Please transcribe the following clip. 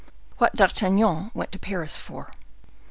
What D'Artagnan went to Paris for.